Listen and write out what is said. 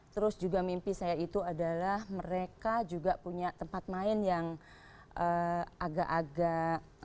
terus juga mimpi saya itu adalah mereka juga punya tempat main yang agak agak